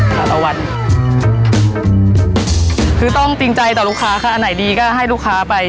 ค่ะต่อวันคือต้องจริงใจต่อลูกค้าค่ะอันไหนดีก็ให้ลูกค้าไป